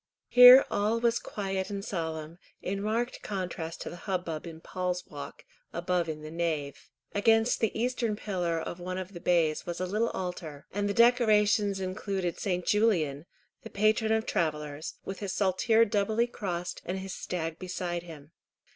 Here all was quiet and solemn, in marked contrast to the hubbub in "Paul's Walk," above in the nave. Against the eastern pillar of one of the bays was a little altar, and the decorations included St. Julian, the patron of travellers, with his saltire doubly crossed, and his stag beside him.